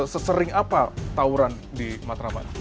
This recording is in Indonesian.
sesering apa tauran di matraman